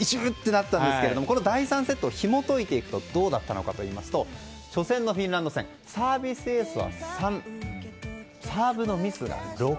第３セットをひも解いていくとどうだったのかというと初戦のフィンランド戦サービスエースは３サーブのミスが６。